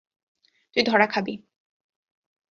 তুই ধরা খাবি।